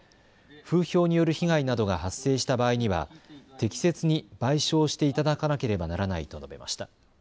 風評による被害などが発生した場合には適切に賠償していただかなければならないと述べました。